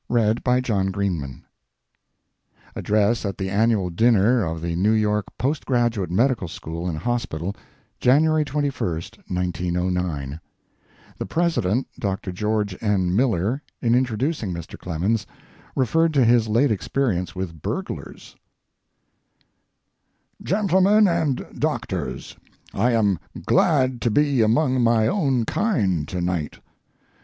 DR. MARK TWAIN, FARMEOPATH ADDRESS AT THE ANNUAL DINNER OF THE NEW YORK POST GRADUATE MEDICAL SCHOOL AND HOSPITAL, JANUARY 21, 1909 The president, Dr. George N. Miller, in introducing Mr. Clemens, referred to his late experience with burglars. GENTLEMEN AND DOCTORS,—I am glad to be among my own kind to night.